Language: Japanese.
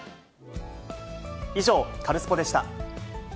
以上、カルスポっ！でした。